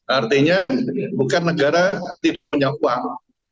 artinya bukan negara tidak punya uang